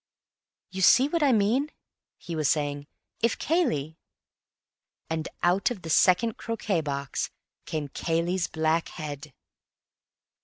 "You see what I mean," he was saying. "If Cayley—" And out of the second croquet box came Cayley's black head.